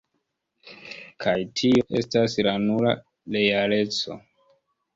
Kaj tio, estas la nura realeco.